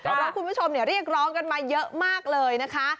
แต่ว่าคุณผู้ชมเรียกร้องกันมาเยอะมากเลยนะคะ